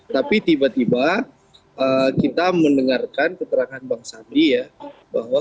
tapi tiba tiba kita mendengarkan keterangan bang sandi ya bahwa